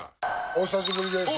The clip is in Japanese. お久しぶりです。